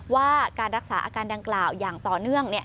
ว่าการรักษาอาการดังกล่าวอย่างต่อเนื่อง